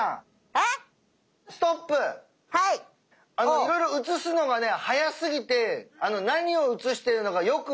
いろいろ映すのがね速すぎて何を映してるのかよく見えないのよ。